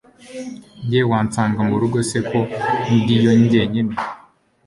Njye wansanga murugo se ko ndiyo njye nyine